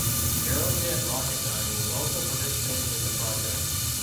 Aerojet Rocketdyne was also participating in the project.